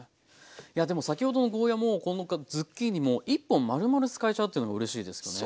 いやでも先ほどのゴーヤーもこのズッキーニも１本まるまる使えちゃうっていうのがうれしいですよね。